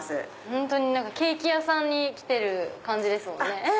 本当にケーキ屋さんに来てる感じですもんね。